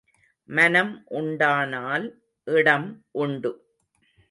மனம் உண்டானால் இடம் உண்டு.